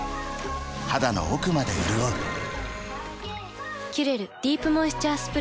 肌の奥まで潤う「キュレルディープモイスチャースプレー」